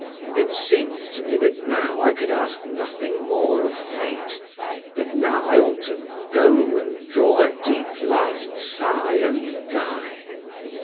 It seemed to me that now I could ask nothing more of fate, that now I ought to "go, and draw a deep last sigh and die."